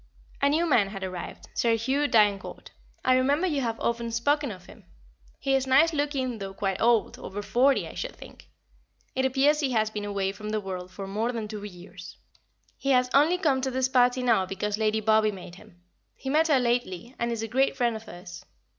A new man had arrived, Sir Hugh d'Eynecourt, I remember you have often spoken of him. He is nice looking though quite old, over forty, I should think. It appears he has been away from the world for more than two years; he has only come to this party now because Lady Bobby made him; he met her lately, and is a great friend of hers.